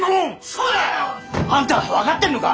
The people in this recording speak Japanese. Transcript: そうだよ！あんた分かってんのか！？